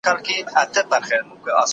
کور په کور پلټنې روانې وې.